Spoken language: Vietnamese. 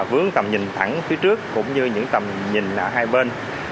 vướng tầm nhìn thẳng phía trước cũng như những tầm nhìn ở hai bên